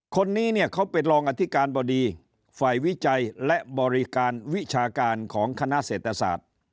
คนนี้เนี่ยเขาเป็นรองอธิการบดีฝ่ายวิจัยและบริการวิชาการของคณะเศรษฐศาสตร์